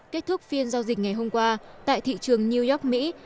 kết thúc phiên giao dịch ngày hôm qua tại thị trường new york mỹ